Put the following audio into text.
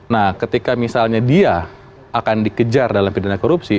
nah ketika misalnya dia akan dikejar dalam pidana korupsi